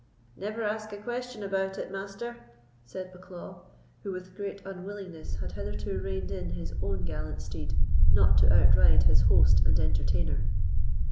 "Never ask a question about it, Master," said Bucklaw, who, with great unwillingness, had hitherto reined in his own gallant steed, not to outride his host and entertainer.